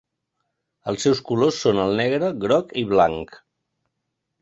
Els seus colors són el negre, groc i blanc.